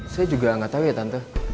saya juga gak tau ya tante